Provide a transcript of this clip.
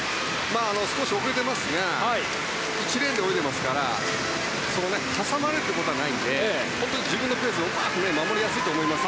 少し遅れていますが１レーンで泳いでいますから挟まれるということはないので自分のペースをうまく守りやすいと思います。